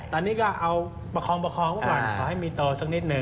ตอนนี้ก็เอาประคองประคองไว้ก่อนขอให้มีโตสักนิดหนึ่ง